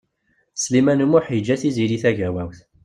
Sliman U Muḥ yeǧǧa Tiziri Tagawawt.